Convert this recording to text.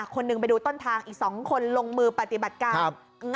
คนหนึ่งไปดูต้นทางอีก๒คนลงมือปฏิบัติการ